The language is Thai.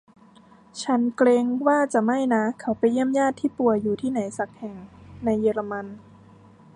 ฉันเกรงว่าจะไม่นะ เขาไปเยี่ยมญาติที่ป่วยอยู่ที่ไหนสักแห่งในเยอรมัน